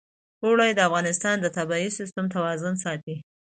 اوړي د افغانستان د طبعي سیسټم توازن ساتي.